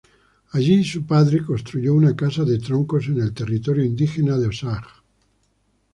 Allí su padre construye una casa de troncos en el territorio indígena de Osage.